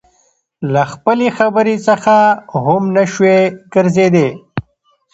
له خپلې خبرې څخه هم نشوى ګرځېدى.